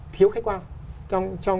thiếu khách quan